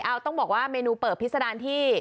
เอาต้องบอกว่าเมนูเปิบพิษดารที่